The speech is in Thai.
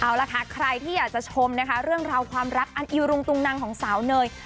เอาล่ะค่ะใครที่อยากจะชมนะคะเรื่องราวความรักอันอิรุงตุงนังของสาวเนย